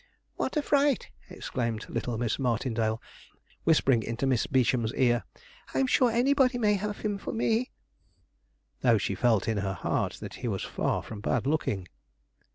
'What a fright!' exclaimed little Miss Martindale, whispering into Miss Beauchamp's ear: 'I'm sure anybody may have him for me,' though she felt in her heart that he was far from bad looking.